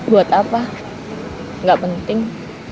buat apa nggak penting